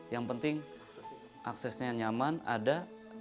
yang penting aksesnya nyaman ada